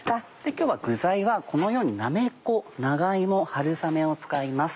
今日は具材はこのようになめこ長芋春雨を使います。